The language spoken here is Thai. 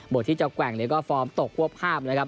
บทที่กว่างก็ฟอร์มตกควบภาพนะครับ